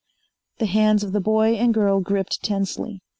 The hands of the boy and girl gripped tensely.